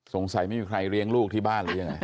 สงสัยไม่มีใครเลี้ยงลูกที่บ้านหรือยังไง